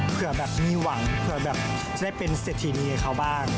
เผื่อแบบมีหวังเผื่อแบบจะได้เป็นเศรษฐีนีให้เขาบ้าง